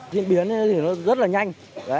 diễn biến thì nó rất là nhanh